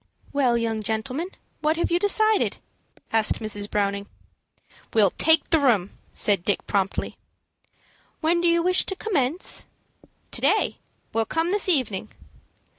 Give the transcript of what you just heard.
"Well, young gentleman, what have you decided?" asked Mrs. Browning. "We'll take the room," said Dick, promptly. "When do you wish to commence?" "To day. We'll come this evening."